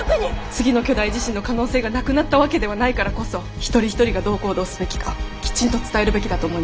次の巨大地震の可能性がなくなったわけではないからこそ一人一人がどう行動すべきかきちんと伝えるべきだと思います。